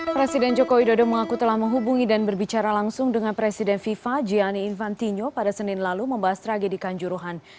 presiden jokowi dodo mengaku telah menghubungi dan berbicara langsung dengan presiden fifa gianni infantino pada senin lalu membahas tragedi kanjuruhan